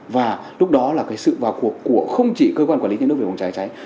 và lúc đó là sự vào cuộc của không chỉ cơ quan quản lý nhà nước về phòng cháy cháy